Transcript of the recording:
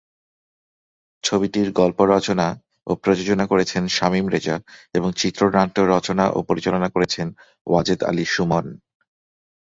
ছবিটির গল্প রচনা ও প্রযোজনা করেছেন শামীম রেজা এবং চিত্রনাট্য রচনা ও পরিচালনা করেছেন ওয়াজেদ আলী সুমন।